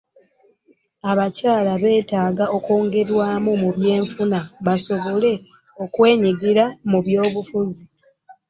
Abakyala betaaga okwongerwamu mu byenfuna basobole okwenyigira mu byobufuzi.